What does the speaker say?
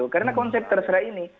karena konsep terserah ini